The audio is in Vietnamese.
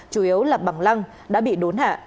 chủ yếu là bằng lăng đã bị đốn hạ